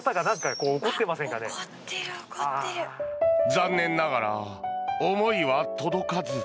残念ながら思いは届かず。